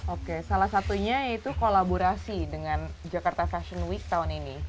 oke salah satunya yaitu kolaborasi dengan jakarta fashion week tahun ini